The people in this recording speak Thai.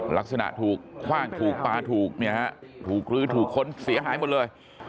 ลักษณะถูกคว่างถูกปลาถูกเนี่ยฮะถูกลื้อถูกค้นเสียหายหมดเลย